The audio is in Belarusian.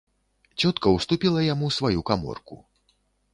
Цётка ўступіла яму сваю каморку.